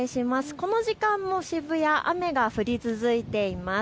この時間の渋谷雨が降り続いています。